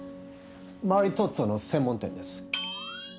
マリトッツォの専門店です。